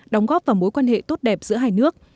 đóng góp vào mối quan hệ tốt đẹp giữa hai nước